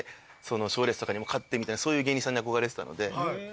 賞レースとかにも勝ってみたいなそういう芸人さんに憧れてたので。